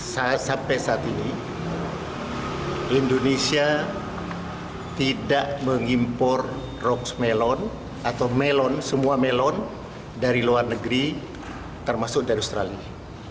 sampai saat ini indonesia tidak mengimpor melon dari luar negeri termasuk dari australia